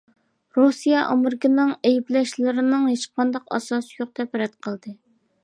رۇسىيە ئامېرىكىنىڭ ئەيىبلەشلىرىنىڭ ھېچقانداق ئاساسى يوق دەپ رەت قىلدى.